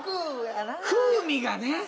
風味がね